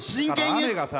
雨がさ。